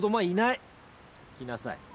来なさい。